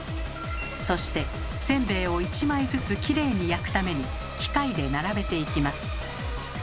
そしてせんべいを一枚ずつきれいに焼くために機械で並べていきます。